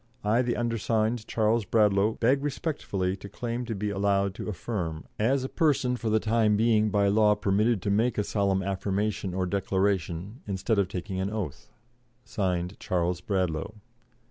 I, the undersigned, Charles Bradlaugh, beg respectfully to claim to be allowed to affirm, as a person for the time being by law permitted to make a solemn affirmation or declaration, instead of taking an oath. (Signed) Charles Bradlaugh.'